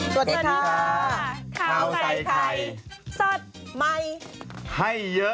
สวัสดีค่ะข้าวใส่ไข่สดใหม่ให้เยอะ